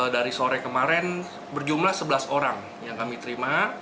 dari sore kemarin berjumlah sebelas orang yang kami terima